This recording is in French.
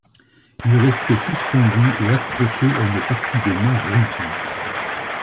Il restait suspendu et accroché à une partie de mât rompue.